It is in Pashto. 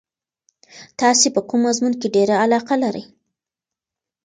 تاسې په کوم مضمون کې ډېره علاقه لرئ؟